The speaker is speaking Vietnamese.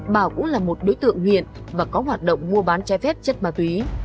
bảo cũng là một đối tượng nguyện và có hoạt động mua bán trái phép chất ma túy